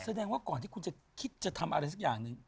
แสดงว่าก่อนที่คุณจะคิดจะทำอะไรสักอย่างหนึ่ง